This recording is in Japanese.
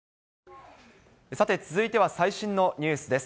さて、続いては最新のニュースです。